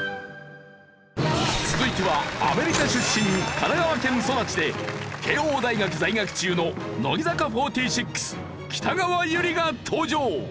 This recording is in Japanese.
続いてはアメリカ出身神奈川県育ちで慶應大学在学中の乃木坂４６北川悠理が登場！